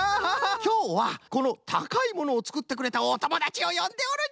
きょうはこの「たかいもの」をつくってくれたおともだちをよんでおるんじゃよ！